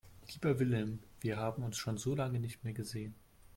Lieber Wilhelm, wir haben uns schon so lange nicht mehr gesehen.